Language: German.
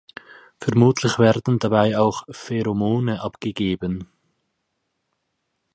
Vermutlich werden dabei auch Pheromone abgegeben.